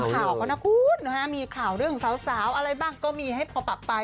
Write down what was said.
ข่าวเขานะมีข่าวเรื่องเศร้าอะไรบ้างก็มีให้พอปรับปลาย